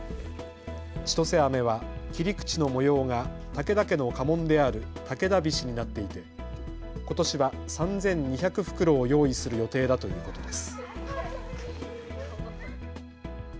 ちとせあめは切り口の模様が武田家の家紋である武田菱になっていてことしは３２００袋を用意する予定だということです。